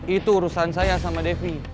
itu urusan saya sama devi